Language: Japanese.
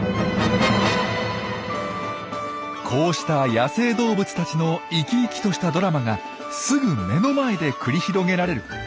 こうした野生動物たちの生き生きとしたドラマがすぐ目の前で繰り広げられる。